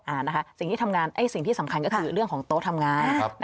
สิ่งที่ทำงานไอ้สิ่งที่สำคัญก็คือเรื่องของโต๊ะทำงาน